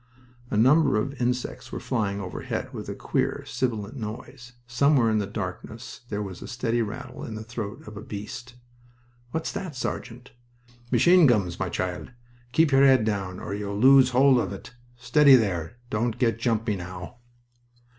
A number of insects were flying overhead with a queer, sibilant noise. Somewhere in the darkness there was a steady rattle in the throat of a beast. "What's that, Sergeant?" "Machine gums, my child. Keep your head down, or you'll lose hold of it... Steady, there. Don't get jumpy, now!"